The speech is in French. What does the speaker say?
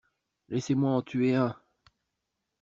Laissez-moi en tuer un!